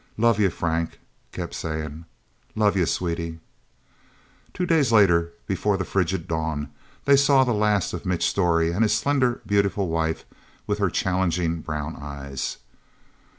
"Love yuh," Frank kept saying. "Love yuh, Sweetie..." Two days later, before the frigid dawn, they saw the last of Mitch Storey and his slender, beautiful wife with her challenging brown eyes.